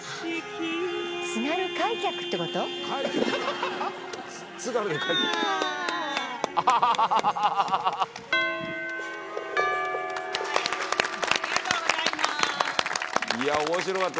いや。